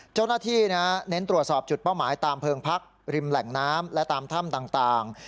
เจ้าหน้าที่เน้นตรวจสอบจุดเป้าหมายตามเพลิงพักริมแหล่งน้ำและตามถ้ำต่าง